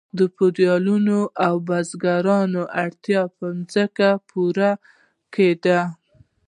د فیوډالانو او بزګرانو اړتیاوې په ځمکو پوره کیدې.